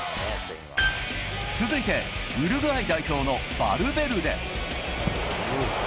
続いて、ウルグアイ代表のバルベルデ。